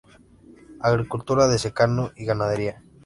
Agricultura de secano y ganadería.